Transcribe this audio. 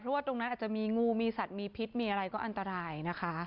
ว่าตรงนั้นอาจจะมีงูมีสัตว์มีพิษมีอะไรก็อันตรายนะคะ